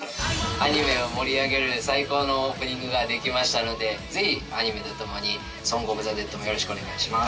アニメを盛り上げる最高のオープニングが出来ましたのでぜひアニメとともに「ソングオブザデッド」もよろしくお願いします。